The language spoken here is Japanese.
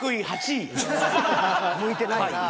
向いてないなぁ。